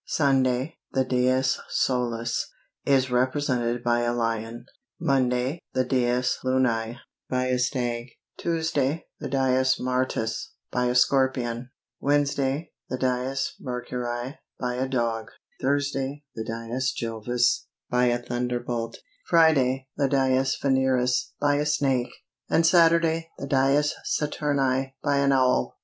Sunday, the dies Solis, is represented by a lion; Monday, the dies Lunæ, by a stag; Tuesday, the dies Martis, by a scorpion; Wednesday, the dies Mercurii, by a dog; Thursday, the dies Jovis, by a thunderbolt; Friday, the dies Veneris, by a snake; and Saturday, the dies Saturni, by an owl.